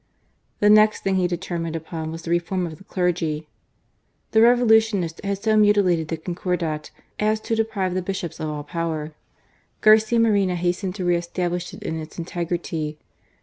The next thing he determined upon was the reform of the clergy. The Revolutionists had ao4 GARCIA MORENO. ( sio mutilated the Concordat as to deprive the bi^ops of aU power. Garcia Moreno hastened to re ^aUish it in its integrity.